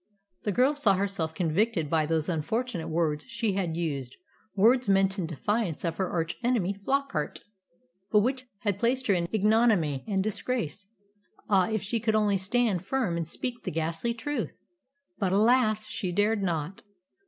The girl saw herself convicted by those unfortunate words she had used words meant in defiance of her arch enemy Flockart, but which had placed her in ignominy and disgrace. Ah, if she could only stand firm and speak the ghastly truth! But, alas! she dared not.